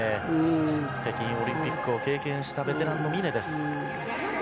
北京オリンピックを経験したベテランの峰です。